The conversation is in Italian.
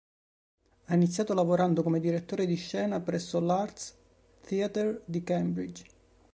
Ha iniziato lavorando come direttore di scena presso l'Arts Theatre di Cambridge.